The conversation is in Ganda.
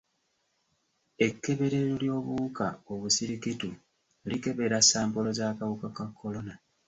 Ekkeberero ly'obuwuka obusirikitu likebera sampolo z'akawuka ka kolona.